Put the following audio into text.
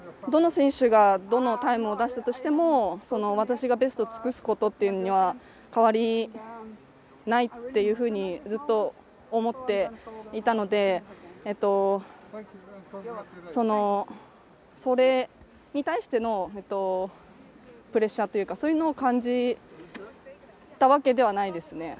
どの選手がどのタイムを出したとしても、私がベストを尽くすことには変わりないっていうふうにずっと思っていたので、それに対してのプレッシャーというか、そういうのを感じたわけではないですね。